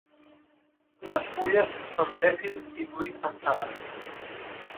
Les fulles són sèssils i el fruit en sàmara.